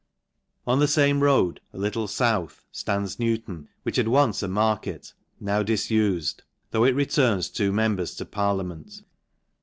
On the fame road, a little fouth, Hands Newton, which had once a market, now difufed ; though it returns two members to parliament.